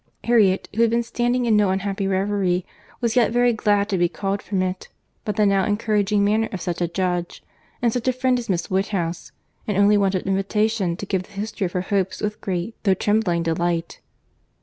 Harriet, who had been standing in no unhappy reverie, was yet very glad to be called from it, by the now encouraging manner of such a judge, and such a friend as Miss Woodhouse, and only wanted invitation, to give the history of her hopes with great, though trembling delight.